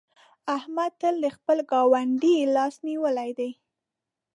احمد تل د خپل ګاونډي لاس نيولی دی.